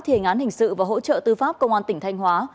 thì hình án hình sự và hỗ trợ tư pháp công an tỉnh thanh hóa